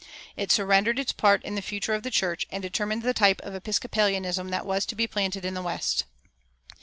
It surrendered its part in the future of the church, and determined the type of Episcopalianism that was to be planted in the West.